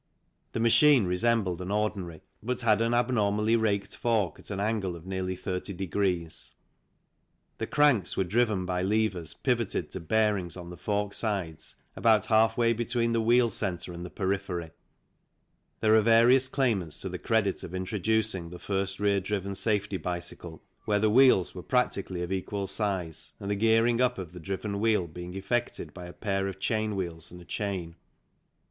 The machine resembled an ordinary, but had an abnormally raked fork at an angle of nearly 30. The cranks were driven by levers pivoted to bearings on the fork sides about half way between the wheel centre and the periphery. There are various claimants to the credit of intro ducing the first rear driven safety bicycle, where the wheels were practically of equal size and the gearing up of the driven wheel being effected by a pair of chain wheels and a chain.